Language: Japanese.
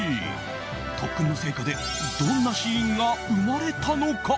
特訓の成果でどんなシーンが生まれたのか。